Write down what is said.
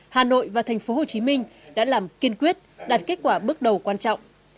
hà nội và thành phố hồ chí minh đã làm kiên quyết đạt kết quả bước đầu quan trọng